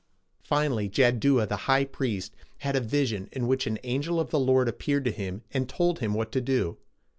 Finally Jad du´a, the high priest, had a vision, in which an angel of the Lord appeared to him, and told him what to do.